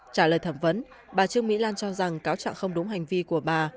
trả lời thẩm vấn bà trường mỹ lan cho rằng cáo chặng không đúng hành vi của bà